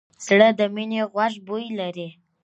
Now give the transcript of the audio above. زړه د مینې خوږ بوی لري.